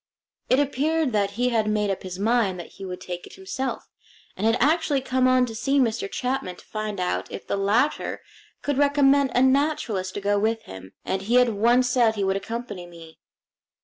It appeared that he had made up his mind that he would take it himself, and had actually come on to see Mr. Chapman to find out if the latter could recommend a naturalist to go with him; and he at once said he would accompany me.